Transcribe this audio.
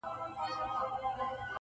نا پاکستانه کنډواله دي کړمه-